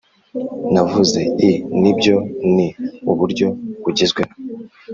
navuze i: "nibyo, ni uburyo bugezweho."